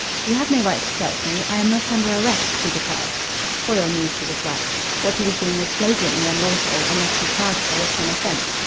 "You have no right to search me. I am not under arrest," she declared. Foyle knew she was right. What he was doing was flagrantly unlawful unless he charged her with some offence.